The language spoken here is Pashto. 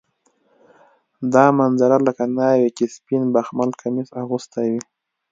دا منظره لکه ناوې چې سپین بخمل کمیس اغوستی وي.